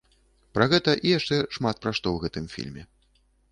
Пра гэта і яшчэ шмат пра што ў гэтым фільме.